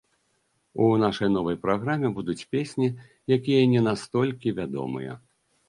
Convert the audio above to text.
У нашай новай праграме будуць песні, якія не настолькі вядомыя.